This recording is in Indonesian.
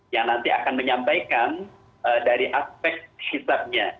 yang nanti akan menyampaikan dari aspek hisabnya